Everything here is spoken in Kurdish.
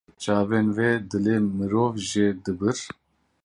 Çavên wê dilê mirov jê dibir.